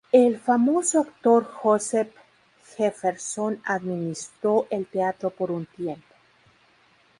El famoso actor Joseph Jefferson administró el teatro por un tiempo.